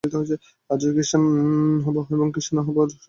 আজই ক্রিশ্চান হব, এখনই ক্রিশ্চান হব, ক্রিশ্চান হয়ে তবে অন্য কথা।